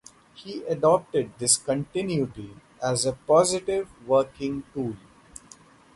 He adopted discontinuity as a positive working tool.